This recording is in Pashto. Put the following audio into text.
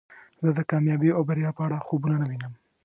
زه د کامیابۍ او بریا په اړه خوبونه نه وینم.